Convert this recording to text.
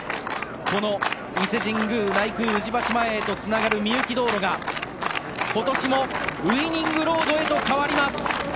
この伊勢神宮内宮宇治橋前へとつながる御幸道路が今年もウィニングロードへと変わります。